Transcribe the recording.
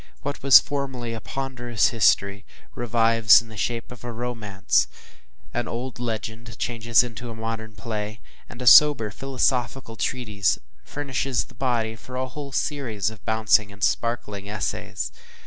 What was formerly a ponderous history, revives in the shape of a romance an old legend changes into a modern play and a sober philosophical treatise furnishes the body for a whole series of bouncing and sparkling essays.